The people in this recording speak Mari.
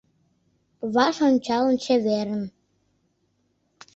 Ваш ончалын, чеверын.